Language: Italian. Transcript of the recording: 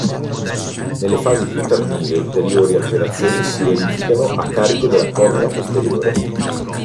Nelle fasi più tardive ulteriori alterazioni si verificano a carico della cornea posteriore.